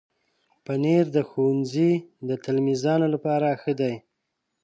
پنېر د ښوونځي د تلمیذانو لپاره ښه ده.